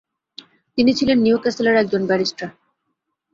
তিনি ছিলেন নিউক্যাসলের একজন ব্যরিস্টার।